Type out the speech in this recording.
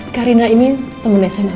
karina ini temennya sama mama